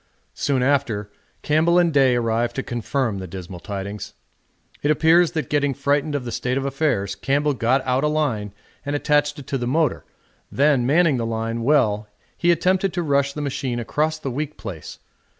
Soon after Campbell and Day arrived to confirm the dismal tidings. It appears that getting frightened of the state of affairs Campbell got out a line and attached it to the motor then manning the line well he attempted to rush the machine across the weak place.